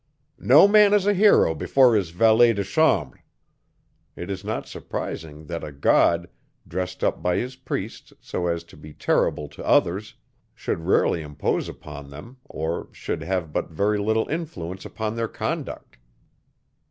"No man is a hero before his valet de chambre." It is not surprising, that a God, dressed up by his priests so as to be terrible to others, should rarely impose upon them, or should have but very little influence upon their conduct.